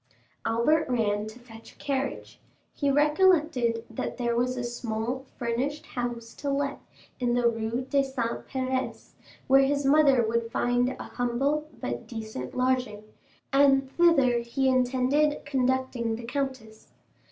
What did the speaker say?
Albert ran to fetch a carriage. He recollected that there was a small furnished house to let in the Rue des Saints Pères, where his mother would find a humble but decent lodging, and thither he intended conducting the countess.